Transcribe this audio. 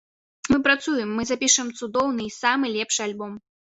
Мы працуем, мы запішам цудоўны і самы лепшы альбом.